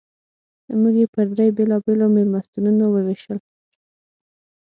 موږ یې پر درې بېلابېلو مېلمستونونو ووېشل.